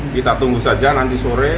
kita tunggu saja nanti sore